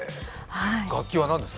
楽器は何ですか？